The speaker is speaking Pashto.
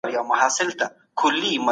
په شريعت کي د زده کړې ټينګار سوی.